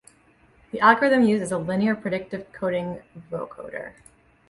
The algorithm used is a linear predictive coding vocoder.